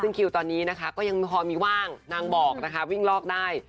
ซึ่งคิวตอนนี้นะคะก็ยังพอมีว่างนางบอกนะคะวิ่งลอกได้